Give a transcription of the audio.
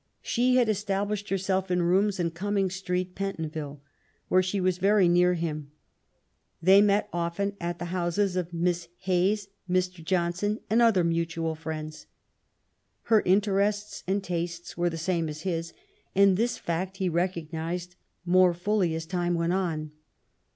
She had established herself in rooms in Gumming Street, Pen tonville, where she was very near him. They met often at the houses of Miss Hayes, Mr. Johnson, and other mutual friends. Her interests and tastes were the same as his ; and this fact he recognized more fully as time went on.